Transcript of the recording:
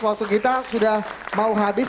waktu kita sudah mau habis